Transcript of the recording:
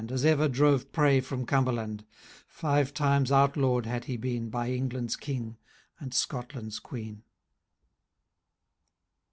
As oyer drove prej finom Cumberland ; five times outlawed had he been, Bj England's King, and Scotland's Queen.